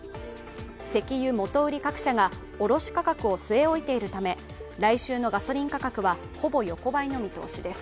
石油元売り各社が卸価格を据え置いているため来週のガソリン価格はほぼ横ばいの見通しです。